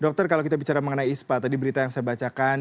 dokter kalau kita bicara mengenai ispa tadi berita yang saya bacakan